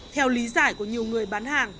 theo lý giải của nhiều người bán hàng